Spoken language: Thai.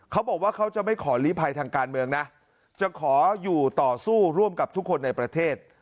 เขาบอกว่าเขาจะไม่ขอลีภัยทางการเมืองนะจะขออยู่ต่อสู้ร่วมกับทุกคนในประเทศ